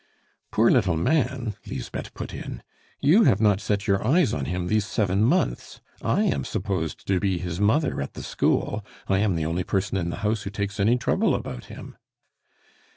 "Poor little man?" Lisbeth put in. "You have not set your eyes on him these seven months. I am supposed to be his mother at the school; I am the only person in the house who takes any trouble about him."